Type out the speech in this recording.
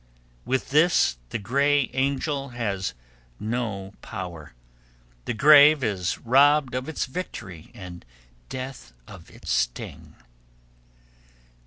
With this the Grey Angel has no power; the grave is robbed of its victory and death of its sting.